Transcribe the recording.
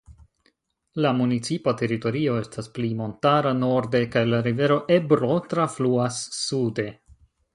La municipa teritorio estas pli montara norde kaj la rivero Ebro trafluas sude.